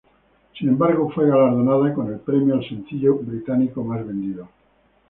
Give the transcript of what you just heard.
Sin embargo fue galardonada con el premio al sencillo británico más vendido.